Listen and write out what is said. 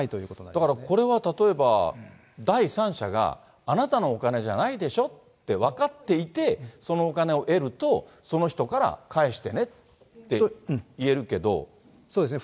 だから、これは例えば、第三者があなたのお金じゃないでしょって分かっていて、そのお金を得ると、その人から返してねって言そうですね。